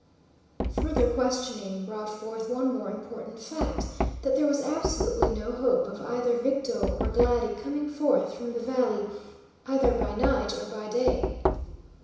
Further questioning brought forth one more important fact, that there was absolutely no hope of either Victo or Glady coming forth from the valley, either by night or by day.